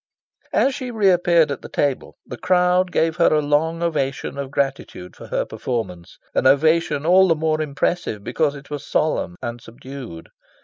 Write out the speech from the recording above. As she re appeared at the table, the crowd gave her a long ovation of gratitude for her performance an ovation all the more impressive because it was solemn and subdued.